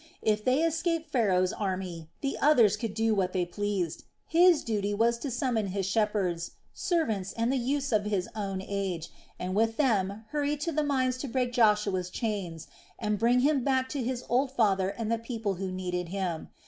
If they escaped Pharaoh's army, the others could do what they pleased, his duty was to summon his shepherds, servants, and the youths of his own age, and with them hurry to the mines to break Joshua's chains and bring him back to his old father and the people who needed him.